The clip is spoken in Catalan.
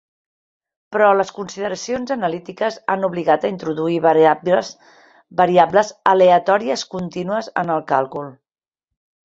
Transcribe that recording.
Però les consideracions analítiques han obligat a introduir variables aleatòries contínues en el càlcul.